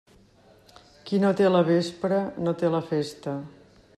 Qui no té la vespra, no té la festa.